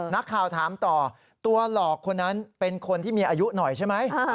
นักข่าวถามต่อตัวหลอกคนนั้นเป็นคนที่มีอายุหน่อยใช่ไหม